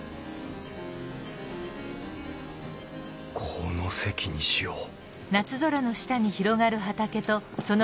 この席にしよう